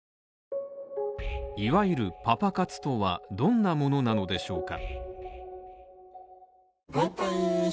いわゆるパパ活とはどんなものなのでしょうか